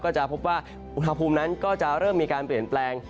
จะพบว่าอุณหภูมินั้นก็จะเริ่มมีการเปลี่ยนแปลง